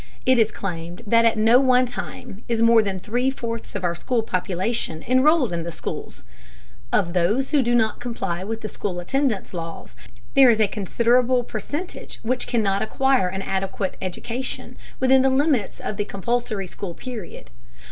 It is claimed that at no one time is more than three fourths of our school population enrolled in the schools. Of those who do comply with the school attendance laws, there is a considerable percentage which cannot acquire an adequate education within the limits of the compulsory school period.